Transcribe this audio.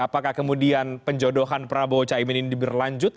apakah kemudian penjodohan prabowo caimin ini berlanjut